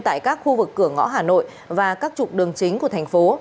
tại các khu vực cửa ngõ hà nội và các trục đường chính của thành phố